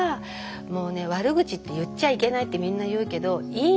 もうね「悪口って言っちゃいけない」ってみんな言うけどいいんですもう。